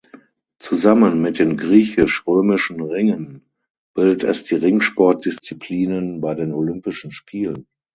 Zusammen mit dem griechisch-römischen Ringen bildet es die Ringsport-Disziplinen bei den Olympischen Spielen.